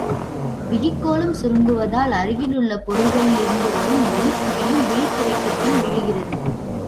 விழிக்கோளம் சுருங்குவதால் அருகிலுள்ள பொருள்களில் இருந்து வரும் ஒளிக்குவியம் விழித்திரைக்குப் பின் விழுகிறது.